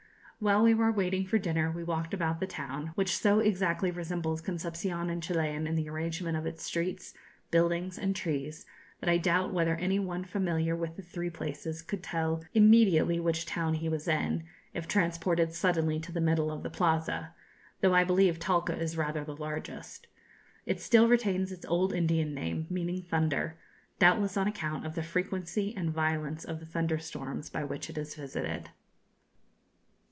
While we were waiting for dinner we walked about the town, which so exactly resembles Concepcion and Chilian in the arrangement of its streets, buildings, and trees, that I doubt whether any one familiar with the three places could tell immediately which town he was in, if transported suddenly to the middle of the Plaza, though I believe Talca is rather the largest. It still retains its old Indian name, meaning 'thunder,' doubtless on account of the frequency and violence of the thunder storms by which it is visited.